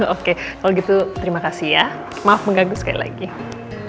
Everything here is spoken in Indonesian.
oke kalau gitu terima kasih ya maaf mengganggu sekali lagi